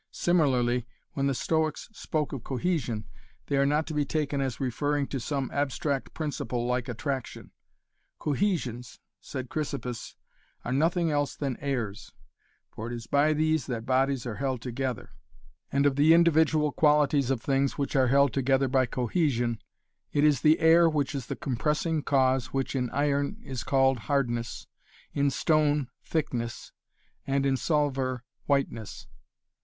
Similarly, when the Stoics spoke of cohesion, they are not to be taken as referring to some abstract principle like attraction. 'Cohesions,' said Chrysippus, 'are nothing else than airs, for it is by these that bodies are held together, and of the individual qualities of things which are held together by cohesion, it is the air which is the compressing cause which in iron is called "hardness", in stone "thickness" and in solver "whiteness"'.